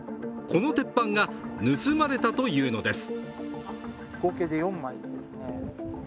この鉄板が盗まれたというのです。